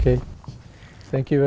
cảm ơn các quý vị